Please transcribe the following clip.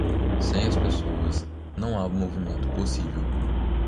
Sem as pessoas, não há movimento possível.